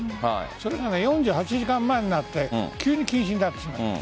それが４８時間前になって急に禁止になってしまった。